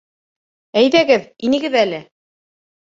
— Әйҙәгеҙ, инегеҙ әле